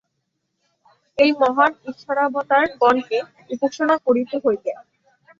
এই মহান ঈশ্বরাবতারগণকে উপাসনা করিতে হইবে।